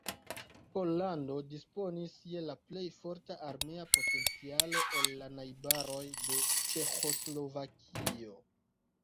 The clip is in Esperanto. Pollando disponis je la plej forta armea potencialo el la najbaroj de Ĉeĥoslovakio.